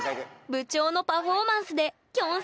部長のパフォーマンスできょん